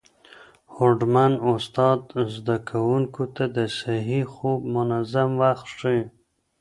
هوډمن استاد زده کوونکو ته د صحي خوب منظم وخت ښيي.